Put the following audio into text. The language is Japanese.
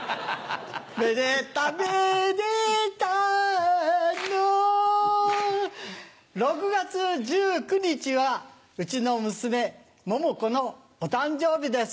目出度目出度の６月１９日はうちの娘桃子のお誕生日です。